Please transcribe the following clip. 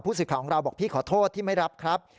ผู้ศึกขาของเราบอกพี่ขอโทษที่ไม่รับครับ